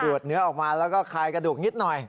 ดเนื้อออกมาแล้วก็คายกระดูกนิดหน่อย